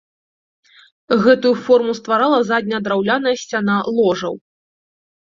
Гэтую форму стварала задняя драўляная сцяна ложаў.